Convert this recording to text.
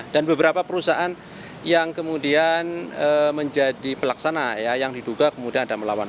dan beberapa perusahaan yang kemudian menjadi pelaksana yang diduga kemudian ada melawannya